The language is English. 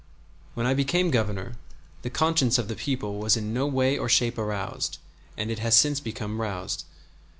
When I became Governor, the conscience of the people was in no way or shape aroused, as it has since become roused.